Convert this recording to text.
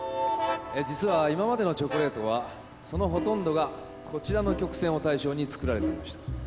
えー実は今までのチョコレートはそのほとんどがこちらの曲線を対象に作られていました。